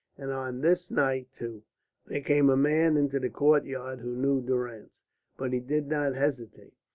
And on this night, too, there came a man into the courtyard who knew Durrance. But he did not hesitate.